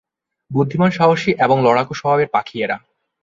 বুদ্ধিমান, সাহসী এবং লড়াকু স্বভাবের পাখি এরা।